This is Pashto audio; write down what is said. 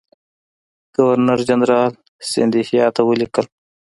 ګورنرجنرال سیندهیا ته ولیکل.